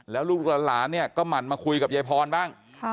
แล้วลูกหลานเนี่ยก็หมั่นมาคุยกับยายพรบ้าง